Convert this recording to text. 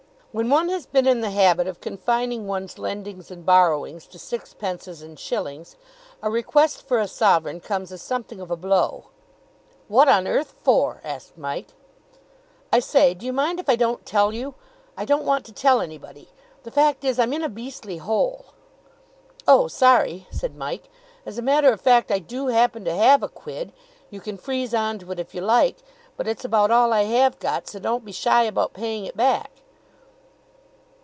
When one has been in the habit of confining one's lendings and borrowings to sixpences and shillings, a request for a sovereign comes as something of a blow. "What on earth for?" asked Mike. "I say, do you mind if I don't tell you? I don't want to tell anybody. The fact is, I'm in a beastly hole." "Oh, sorry," said Mike. "As a matter of fact, I do happen to have a quid. You can freeze on to it, if you like. But it's about all I have got, so don't be shy about paying it back."